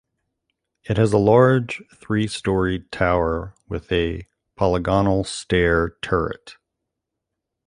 It has a large three-storied tower with a polygonal stair turret.